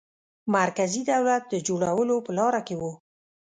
مرکزي دولت د جوړولو په لاره کې وو.